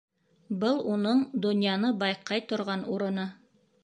Был уның донъяны байҡай торған урыны.